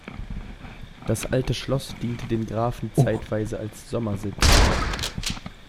Das alte Schloss diente den Grafen zeitweise als Sommersitz.